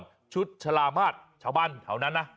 มีสูตรวาดชาวบ้านแถวนั้นนะ